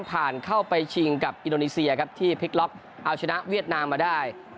ผ่านเข้าไปชิงกับอินโดนีเซียครับที่พลิกล็อกเอาชนะเวียดนามมาได้